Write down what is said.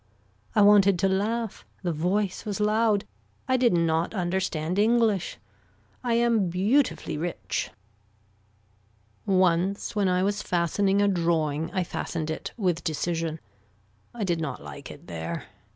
I wanted to laugh. The voice was loud. I did not understand English. I am beautifully rich. Once when I was fastening a drawing, I fastened it with decision. I did not like it there.